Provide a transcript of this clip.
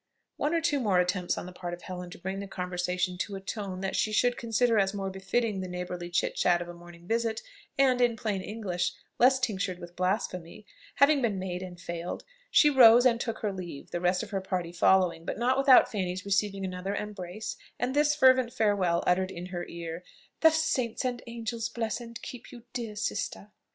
One or two more attempts on the part of Helen to bring the conversation to a tone that she should consider as more befitting the neighbourly chit chat of a morning visit, and, in plain English, less tinctured with blasphemy, having been made and failed, she rose and took her leave, the rest of her party following; but not without Fanny's receiving another embrace, and this fervent farewell uttered in her ear: "The saints and angels bless and keep you, dear sister!"